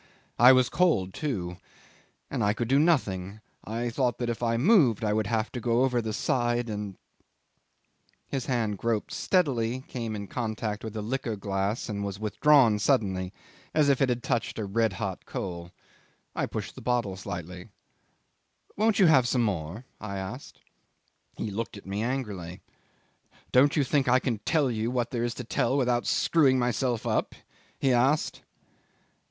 I was cold too. And I could do nothing. I thought that if I moved I would have to go over the side and ..." 'His hand groped stealthily, came in contact with a liqueur glass, and was withdrawn suddenly as if it had touched a red hot coal. I pushed the bottle slightly. "Won't you have some more?" I asked. He looked at me angrily. "Don't you think I can tell you what there is to tell without screwing myself up?" he asked.